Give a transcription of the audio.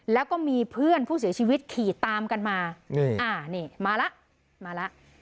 แล้วก็มีเพื่อนผู้เสียชีวิตขี่ตามกันมานี่อ่านี่มาแล้วมาแล้ว